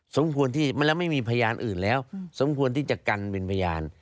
สมควรที่แล้วไม่มีพยานอื่นแล้วสมควรที่จะกันเป็นพยาน